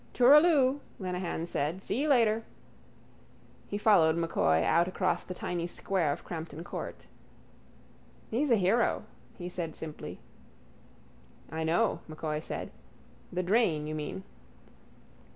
—Tooraloo, Lenehan said. See you later. He followed M'Coy out across the tiny square of Crampton court. —He's a hero, he said simply. —I know, M'Coy said. The drain, you mean.